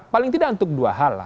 paling tidak untuk dua hal